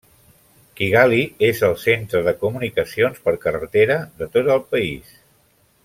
Kigali és el centre de comunicacions per carretera de tot el país.